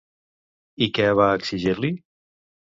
I què va exigir-li?